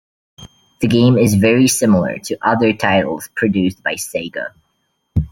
The game is very similar to other titles produced by Sega.